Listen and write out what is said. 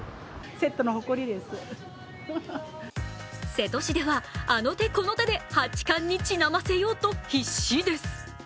瀬戸市では、あの手この手で八冠にちなませようと必死です。